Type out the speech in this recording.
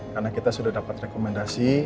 karena kita sudah dapat rekomendasi